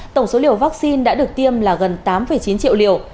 tổng số liều vaccine đã được tiêm là gần tám chín triệu liều